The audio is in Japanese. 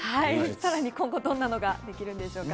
さらに今後、どんなのができるんでしょうか。